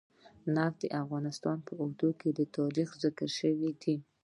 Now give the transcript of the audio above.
نفت د افغانستان په اوږده تاریخ کې ذکر شوی دی.